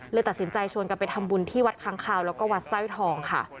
เลยตัดสินใจชวนกันไปทำบุญที่วัดค้างคาวแล้วก็วัดสร้อยทองค่ะ